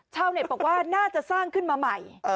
ชาวเน็ตบอกว่าน่าจะสร้างขึ้นมาใหม่